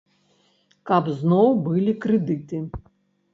Каб зноў былі крэдыты.